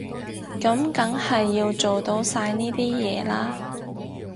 噉梗係要做到晒呢啲嘢啦